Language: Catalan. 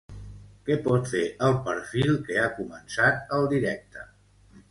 Què pot fer el perfil que ha començat el directe?